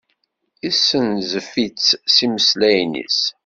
Yessenzef-itt s yimeslayen-is.